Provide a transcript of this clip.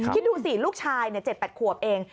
คิดดูสิลูกชาย๗๘ขวบเอง